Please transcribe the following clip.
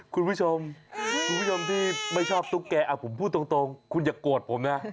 คุณผู้ชมคุณผู้ชมที่ไม่ชอบตุ๊กแกผมพูดตรงคุณอย่าโกรธผมนะ